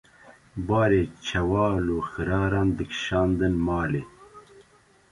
barê çewal û xiraran dikşandin malê.